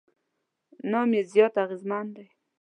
نام یې زیات اغېزمن دی.